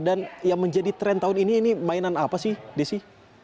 dan yang menjadi tren tahun ini ini mainan apa sih desi